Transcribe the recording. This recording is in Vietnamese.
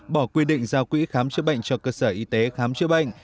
bỏ quy định giao quỹ khám chữa bệnh cho cơ sở y tế khám chữa bệnh